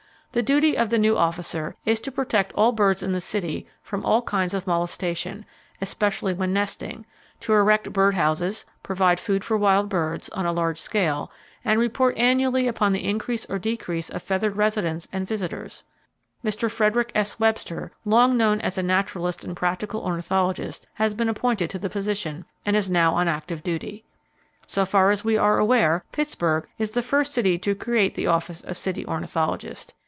The duty of the new officer is to protect all birds in the city from all kinds of molestation, especially when nesting; to erect bird houses, provide food for wild birds, on a large scale, and report annually upon the increase or decrease of feathered residents and visitors. Mr. Frederic S. Webster, long known as a naturalist and practical ornithologist, has been appointed to the position, and is now on active duty. So far as we are aware, Pittsburgh is the first city to create the office of City Ornithologist.